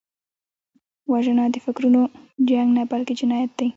وژنه د فکرونو جنګ نه، بلکې جنایت دی